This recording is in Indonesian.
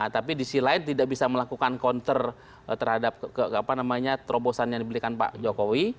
tapi di sisi lain tidak bisa melakukan counter terhadap terobosan yang diberikan pak jokowi